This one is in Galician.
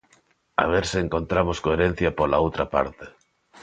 A ver se encontramos coherencia pola outra parte.